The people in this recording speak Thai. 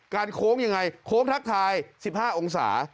การโค้งอย่างไรโค้งทักทาย๑๕องศา